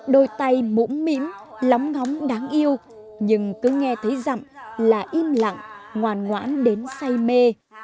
đôi tay mũ mỉm lóng ngóng đáng yêu nhưng cứ nghe thấy dặm là im lặng ngoan ngoãn đến say mê